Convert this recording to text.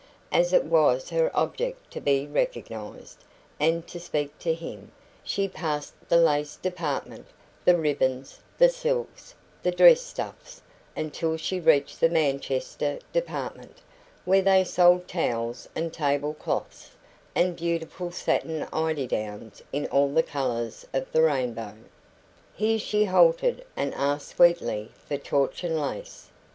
As it was her object to be recognised, and to speak to him, she passed the lace department, the ribbons, the silks, the dress stuffs, until she reached the Manchester department, where they sold towels and table cloths, and beautiful satin eider downs in all the colours of the rainbow. Here she halted and asked sweetly for torchon lace.